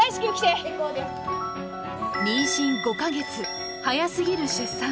妊娠５か月、早すぎる出産。